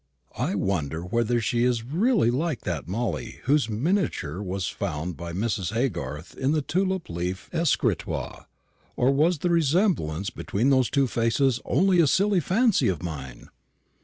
I wonder whether she is really like that 'Molly' whose miniature was found by Mrs. Haygarth in the tulip leaf escritoire; or was the resemblance between those two faces only a silly fancy of mine?"